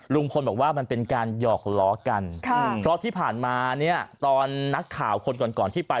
ลุงพลบอกว่ามันเป็นการหยอกล้อกันเพราะที่ผ่านมาเนี่ยตอนนักข่าวคนก่อนก่อนที่ไป